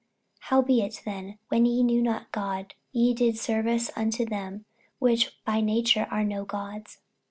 48:004:008 Howbeit then, when ye knew not God, ye did service unto them which by nature are no gods.